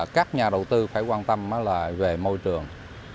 các nhà đầu tư phải quan tâm về môi trường